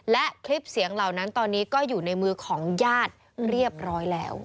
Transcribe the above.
และคลิปเสียงเหล่านั้นตอนนี้ก็อยู่ในมือของญาติเรียบร้อยแล้ว